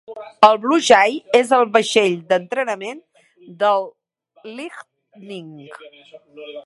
El Blue Jay és el vaixell d'entrenament del Lightning.